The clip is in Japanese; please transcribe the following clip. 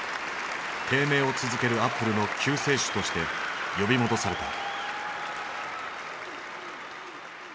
低迷を続けるアップルの救世主として呼び戻された。